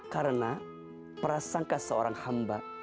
karena perasangka seorang hamba